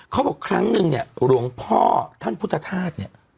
เขาบอกครั้งนึงเนี่ยหลวงพ่อท่านพุทธธาตุเนี่ย